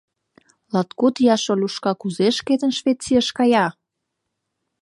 — Латкуд ияш Олюшка кузе шкетын Швецийыш кая?